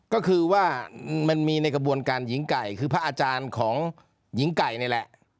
ก็คือว่ามันมีในกระบวนการหญิงไก่คือพระอาจารย์ของหญิงไก่นี่แหละ